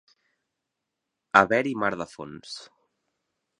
Haver-hi mar de fons.